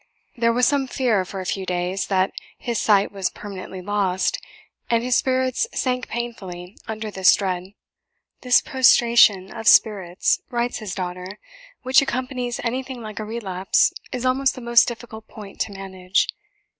There was some fear, for a few days, that his sight was permanently lost, and his spirits sank painfully under this dread. "This prostration of spirits," writes his daughter, "which accompanies anything like a relapse is almost the most difficult point to manage.